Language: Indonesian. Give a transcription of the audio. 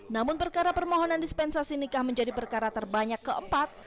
namun perkara permohonan dispensasi nikah menjadi perkara terbanyak keempat